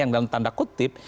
yang dalam tanda kutip